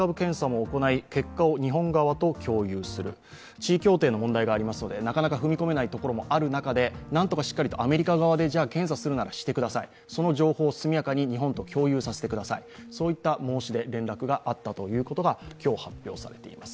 地位協定の問題がありますので、なかなか踏み込めないところもありますので、なんとかしっかりと、アメリカ側で検査できるところはしてください、その情報を速やかに日本と共有させてくださいといった申し出、連絡があったことが今日、発表されています。